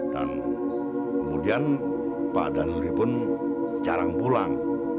dan kemudian pak danuri pun jarang pulang